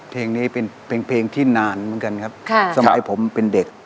เพลงนี้เป็นเพลงที่นานเหมือนกันครับค่ะสมัยผมเป็นเด็ก